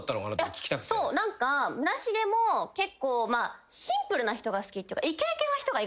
何か村重も結構シンプルな人が好きっていうか。